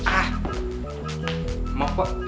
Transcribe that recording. ah maaf pak